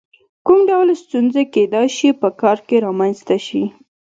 کوم ډول ستونزې کېدای شي په کار کې رامنځته شي؟